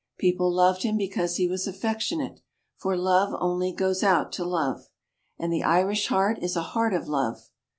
People loved him because he was affectionate, for love only goes out to love. And the Irish heart is a heart of love.